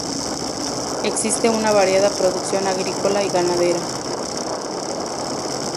Existe una variada producción agrícola y ganadera.